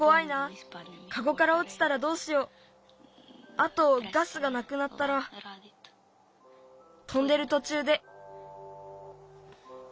あとガスがなくなったら飛んでるとちゅうで。